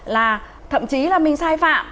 là thậm chí là mình sai phạm